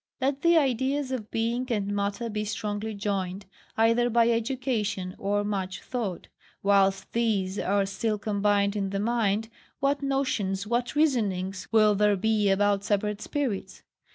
Let the ideas of being and matter be strongly joined, either by education or much thought; whilst these are still combined in the mind, what notions, what reasonings, will there be about separate spirits?